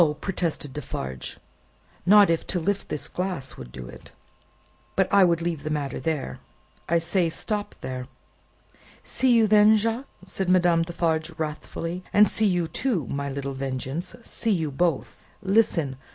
protested Defarge. "Not if to lift this glass would do it! But I would leave the matter there. I say, stop there." "See you then, Jacques," said Madame Defarge, wrathfully; "and see you, too, my little Vengeance; see you both! Listen!